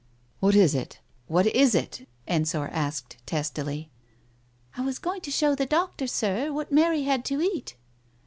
•.." What is it ? What is it ?" Ensor asked testily. " I was going to show the doctor, Sir, what Mary had to eat."